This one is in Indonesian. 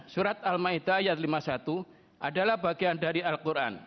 surat al ma'idah lima puluh satu adalah bagian dari al quran